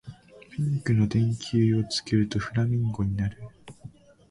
ピンクの電球をつけるとフラミンゴになる